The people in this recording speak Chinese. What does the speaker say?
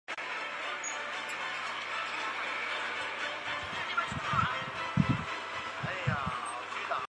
他的代表作是以傅满洲为主角的系列小说。